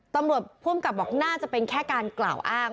ตำรวจผู้อำกับบอกน่าจะเป็นแค่การกล่าวอ้าง